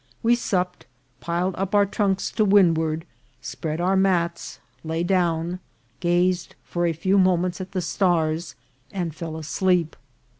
We supped, piled up our trunks to windward, spread our mats, lay down, gazed for a few moments at the stars, and fell asleep.